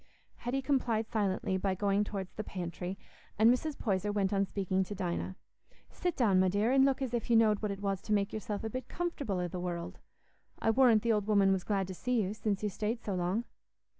Hetty complied silently by going towards the pantry, and Mrs. Poyser went on speaking to Dinah. "Sit down, my dear, an' look as if you knowed what it was to make yourself a bit comfortable i' the world. I warrant the old woman was glad to see you, since you stayed so long."